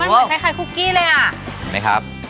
มันเหมือนคล้ายคล้ายขุโกะของการ์มไข้ไทยเลยอะนี่ครับ